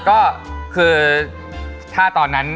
ก็คือถ้าตอนนั้น